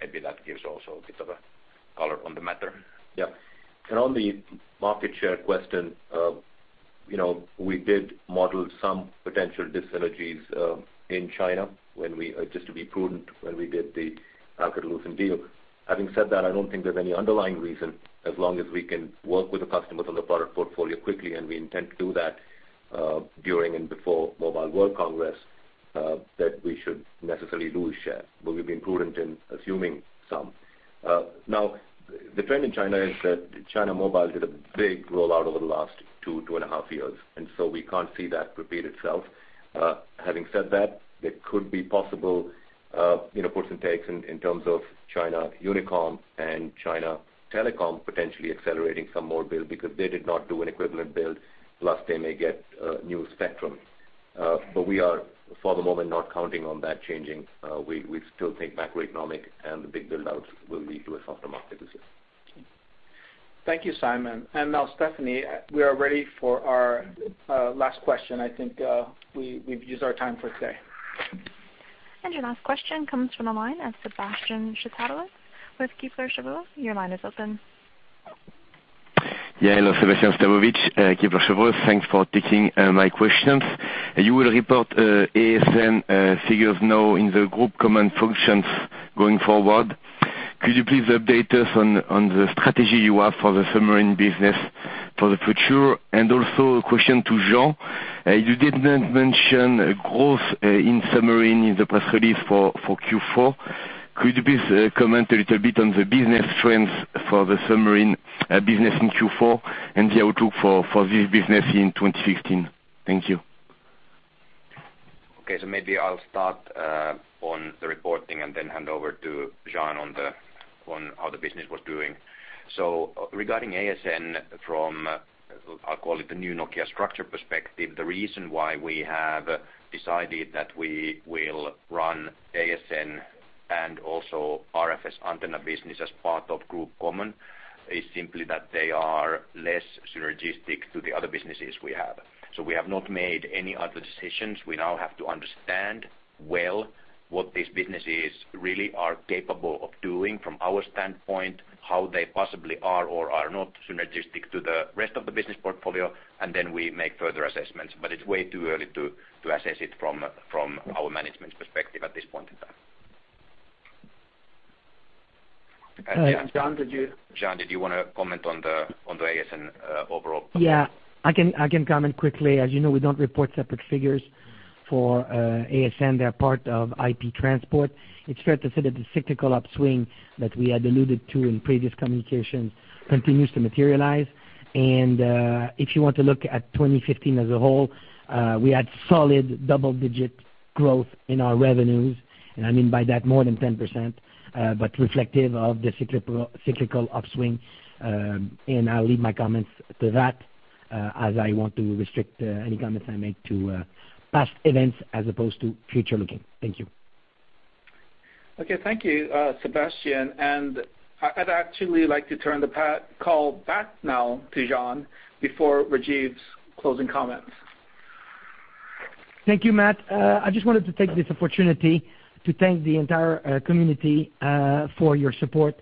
Maybe that gives also a bit of a color on the matter. Yeah. On the market share question, we did model some potential dis-synergies in China just to be prudent when we did the Alcatel-Lucent deal. Having said that, I don't think there's any underlying reason, as long as we can work with the customers on the product portfolio quickly, and we intend to do that during and before Mobile World Congress, that we should necessarily lose share. We've been prudent in assuming some. The trend in China is that China Mobile did a big rollout over the last two and a half years, we can't see that repeat itself. Having said that, it could be possible Gives and takes in terms of China Unicom and China Telecom potentially accelerating some more build because they did not do an equivalent build. Plus, they may get new spectrum. We are, for the moment, not counting on that changing. We still think macroeconomic and the big build-outs will lead to a softer market this year. Thank you, Simon Leopold. Now Stephanie, we are ready for our last question. I think we've used our time for today. Your last question comes from the line of Sébastien Sztabowicz with Kepler Cheuvreux. Your line is open. Yeah. Hello, Sébastien Sztabowicz, Kepler Cheuvreux. Thanks for taking my questions. You will report ASN figures now in the Group Common functions going forward. Could you please update us on the strategy you have for the submarine business for the future? Also a question to Jean. You did not mention growth in submarine in the press release for Q4. Could you please comment a little bit on the business trends for the submarine business in Q4 and the outlook for this business in 2016? Thank you. Okay. Maybe I'll start on the reporting and then hand over to Jean on how the business was doing. Regarding ASN from, I'll call it the new Nokia structure perspective, the reason why we have decided that we will run ASN and also RFS antenna business as part of Group Common, is simply that they are less synergistic to the other businesses we have. We have not made any other decisions. We now have to understand well what these businesses really are capable of doing from our standpoint, how they possibly are or are not synergistic to the rest of the business portfolio, and then we make further assessments. It's way too early to assess it from our management perspective at this point in time. Jean, did you- Jean, did you want to comment on the ASN overall? Yeah. I can comment quickly. As you know, we don't report separate figures for ASN. They're part of IP transport. It's fair to say that the cyclical upswing that we had alluded to in previous communications continues to materialize. If you want to look at 2015 as a whole, we had solid double-digit growth in our revenues, and I mean by that more than 10%, but reflective of the cyclical upswing. I'll leave my comments to that, as I want to restrict any comments I make to past events as opposed to future looking. Thank you. Okay, thank you, Sébastien. I'd actually like to turn the call back now to Jean before Rajeev's closing comments. Thank you, Matt. I just wanted to take this opportunity to thank the entire community for your support.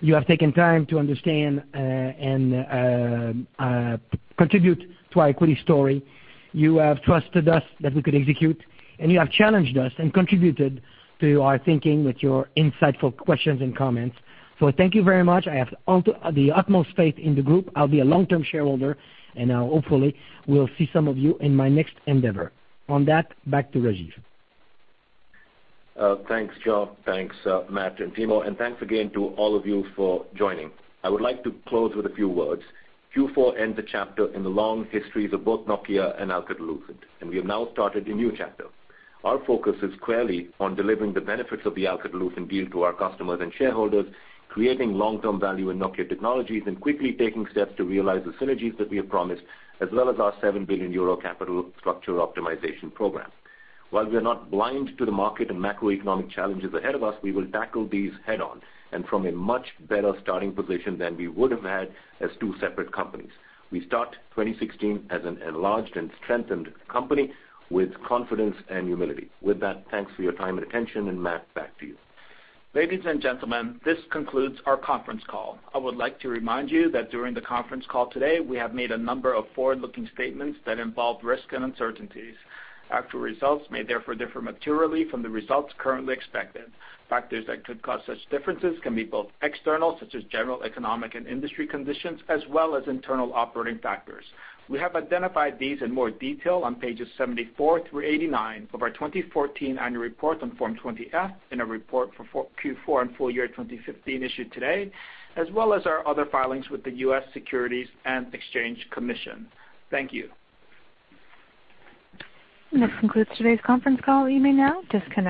You have taken time to understand and contribute to our equity story. You have trusted us that we could execute, and you have challenged us and contributed to our thinking with your insightful questions and comments. Thank you very much. I have the utmost faith in the group. I'll be a long-term shareholder, and hopefully will see some of you in my next endeavor. On that, back to Rajeev. Thanks, Jean. Thanks, Matt and Timo, and thanks again to all of you for joining. I would like to close with a few words. Q4 ends a chapter in the long histories of both Nokia and Alcatel-Lucent, we have now started a new chapter. Our focus is clearly on delivering the benefits of the Alcatel-Lucent deal to our customers and shareholders, creating long-term value in Nokia Technologies, and quickly taking steps to realize the synergies that we have promised, as well as our 7 billion euro capital structure optimization program. While we're not blind to the market and macroeconomic challenges ahead of us, we will tackle these head-on and from a much better starting position than we would have had as two separate companies. We start 2016 as an enlarged and strengthened company with confidence and humility. With that, thanks for your time and attention. Matt, back to you. Ladies and gentlemen, this concludes our conference call. I would like to remind you that during the conference call today, we have made a number of forward-looking statements that involve risk and uncertainties. Actual results may therefore differ materially from the results currently expected. Factors that could cause such differences can be both external, such as general economic and industry conditions, as well as internal operating factors. We have identified these in more detail on pages 74 through 89 of our 2014 annual report on Form 20-F, in our report for Q4 and full year 2015 issued today, as well as our other filings with the U.S. Securities and Exchange Commission. Thank you. This concludes today's conference call. You may now disconnect.